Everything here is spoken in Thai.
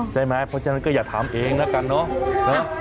ใช่ไหมเพราะฉะนั้นก็อย่าถามเองนะกันเนอะครับ